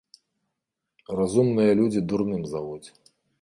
Разумныя людзі дурным завуць.